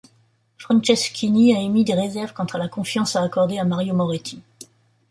Franceschini a émis des réserves quant à la confiance à accorder à Mario Moretti.